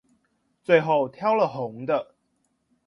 最後挑了紅的